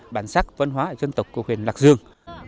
bản sắc văn hóa dân tộc của huyện lạc dương